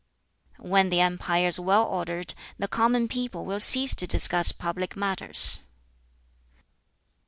"When the empire is well ordered, the common people will cease to discuss public matters."